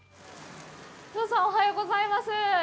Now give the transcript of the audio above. お父さん、おはようございます。